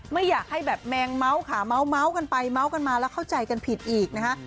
ไม่อยากให้แบบแมงเม้าขาเมาส์กันไปเมาส์กันมาแล้วเข้าใจกันผิดอีกนะคะ